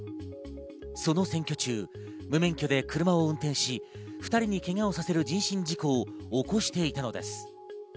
その選挙中、無免許で車を運転し、２人にけがをさせる人身事故を起こしていたのです。